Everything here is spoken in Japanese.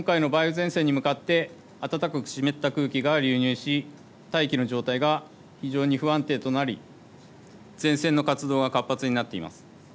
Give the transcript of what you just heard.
前線に向かって暖かく湿った空気が流入し大気の状態が非常に不安定となり前線の活動が活発になっています。